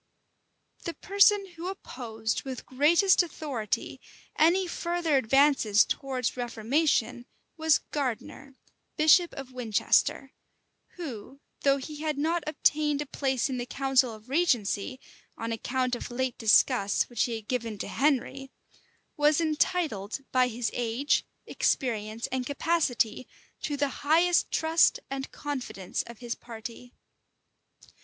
The person who opposed with greatest authority any further advances towards reformation, was Gardiner, bishop of Winchester; who, though he had not obtained a place in the council of regency, on account of late disgusts which he had given to Henry, was entitled, by his age, experience, and capacity, to the highest trust and confidence of his party.